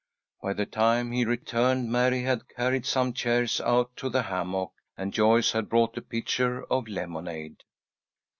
By the time he returned, Mary had carried some chairs out to the hammock, and Joyce had brought a pitcher of lemonade.